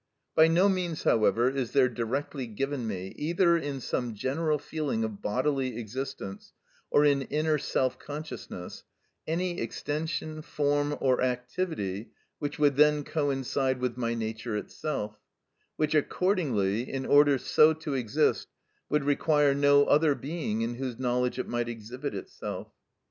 By no means, however, is there directly given me, either in some general feeling of bodily existence or in inner self consciousness, any extension, form, or activity, which would then coincide with my nature itself, which accordingly, in order so to exist, would require no other being in whose knowledge it might exhibit itself.